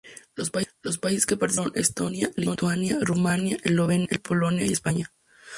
Los países que participaron fueron: Estonia, Lituania, Rumania, Eslovenia, Polonia y España.